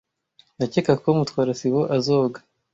Ndakeka ko Mutwara sibo azoga.